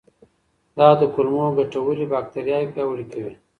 دا د کولمو ګټورې باکتریاوې پیاوړې کوي.